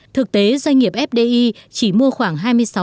thực tế doanh nghiệp fdi chỉ mua khoảng hai mươi sáu